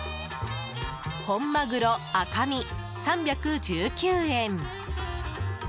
本まぐろ赤身、３１９円。